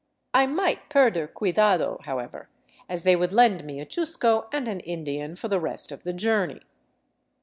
I might perder cuidado, however, as they would lend me a chusco and an Indian for the rest of the journey.